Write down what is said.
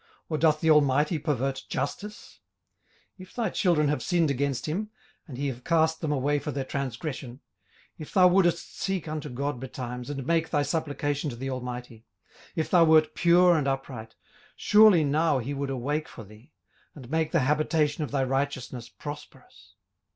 or doth the Almighty pervert justice? 18:008:004 If thy children have sinned against him, and he have cast them away for their transgression; 18:008:005 If thou wouldest seek unto God betimes, and make thy supplication to the Almighty; 18:008:006 If thou wert pure and upright; surely now he would awake for thee, and make the habitation of thy righteousness prosperous.